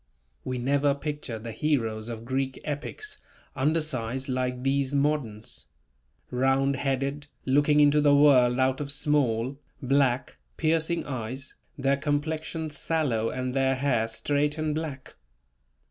We never picture the heroes of Greek epics, undersized, like these moderns; round headed, looking into the world out of small, black, piercing eyes, their complexion sallow and their hair straight and black.